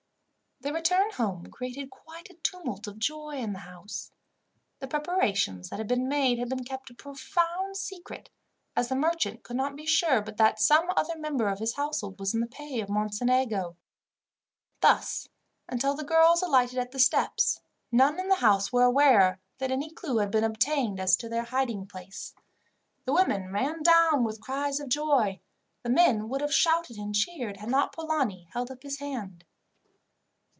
Their return home created quite a tumult of joy in the house. The preparations that had been made had been kept a profound secret, as the merchant could not be sure but that some other member of his household was in the pay of Mocenigo. Thus, until the girls alighted at the steps, none in the house were aware that any clue had been obtained as to their hiding place. The women ran down with cries of joy. The men would have shouted and cheered, had not Polani held up his hand.